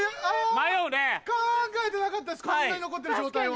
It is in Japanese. こんなに残ってる状態を。